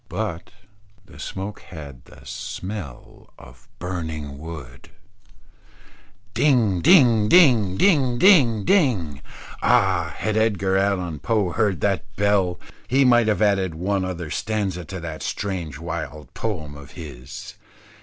But the smoke had the smell of burning wood. Ding, ding, ding, ding, ding, ding. Ah! had Edgar Allan Poe heard that bell, he might have added one other stanza to that strange wild poem of his.